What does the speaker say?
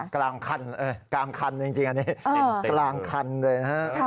กลางคันจริงอันนี้กลางคันเลย